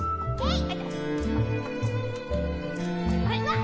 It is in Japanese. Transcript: はい！